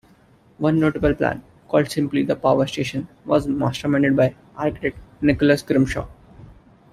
One notable plan, called simply "The Power Station", was masterminded by architect Nicholas Grimshaw.